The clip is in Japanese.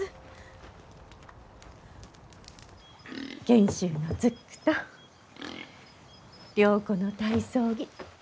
賢秀のズックと良子の体操着。